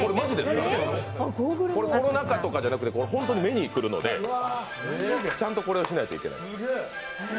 コロナ禍とかじゃなくて本当に目にくるのでちゃんとこれをしないといけない。